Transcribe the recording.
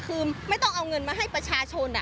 คือไม่ต้องเอาเงินมาให้ประชาชน